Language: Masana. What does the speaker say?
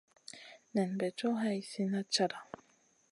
Nen bè co hai slina cata.